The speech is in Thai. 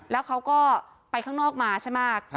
แล้วเขาก็ไปข้างนอกมาใช่ไหม